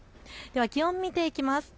気温、見ていきます。